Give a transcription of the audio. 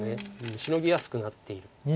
シノぎやすくなっている。